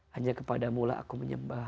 hanya kepada mula aku menyembah